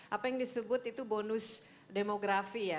apa yang disebut itu bonus demografi ya